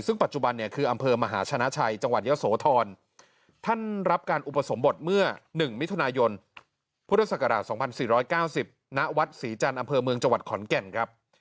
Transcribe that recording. ซึ่งปัจจุบันเนี่ยคืออำเภอมหาชนะชัยจังหวัดเยอะโสธรท่านรับการอุปสมบทเมื่อ๑มิถุนายนพุทธศักราช๒๔๙๐ณวัดศรีจันทร์อำเภอเมืองจังหวัดขอนแก่นครับ